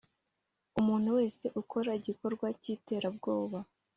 Umuntu wese ukora igikorwa cyiterabwoba